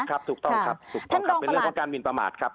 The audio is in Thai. ถูกต้องครับถูกต้องครับเป็นเรื่องของการหมินประมาทครับ